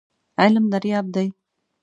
علم دریاب دی .